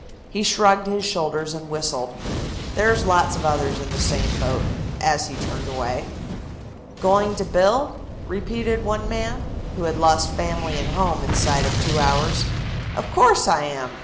He shrugged his shoulders and whistled. "There's lots of others in the same boat," as he turned away. "Going to build?" repeated one man, who had lost family and home inside of two hours. "Of course, I am.